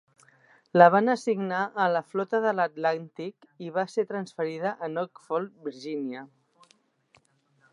La van assignar a la Flota de l'Atlàntic i va ser transferida a Norfolk, Virgínia.